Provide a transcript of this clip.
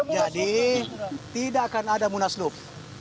jadi tidak akan ada munaslub